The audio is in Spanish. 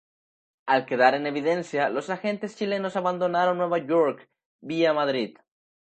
Al quedar en evidencia, los agentes chilenos abandonaron Nueva York vía Madrid.